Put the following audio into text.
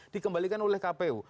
dikembalikan oleh kpu